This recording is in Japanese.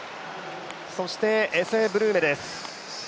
そしてエセ・ブルーメです。